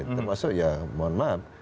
termasuk ya mohon maaf